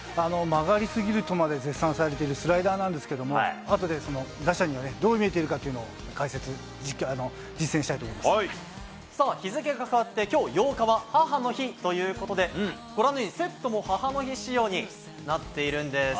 曲がり過ぎるとまで絶賛されているスライダーなんですけれども、あとで打者にはどう見えてるかというのを解説、さあ、日付が変わってきょう８日は、母の日ということで、セットも母の日仕様になっているんです。